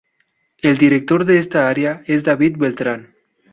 El director de esta área es David Beltrán.